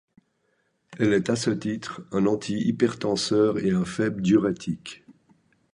Elle est à ce titre un anti-hypertenseur et un faible diurétique.